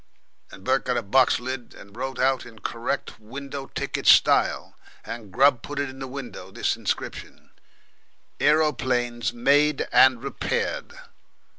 And Bert got a box lid and wrote out in correct window ticket style, and Grubb put in the window this inscription, "Aeroplanes made and repaired."